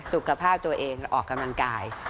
สุขภาพตัวเองออกกำลังกาย